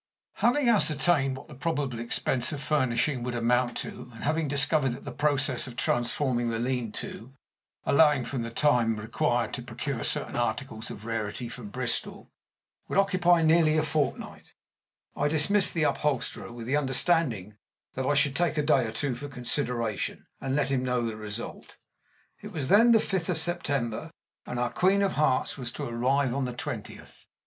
Having ascertained what the probable expense of furnishing would amount to and having discovered that the process of transforming the lean to (allowing for the time required to procure certain articles of rarity from Bristol) would occupy nearly a fortnight, I dismissed the upholsterer with the understanding that I should take a day or two for consideration, and let him know the result. It was then the fifth of September, and our Queen of Hearts was to arrive on the twentieth.